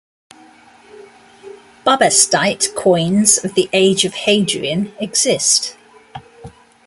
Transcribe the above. Bubastite coins of the age of Hadrian exist.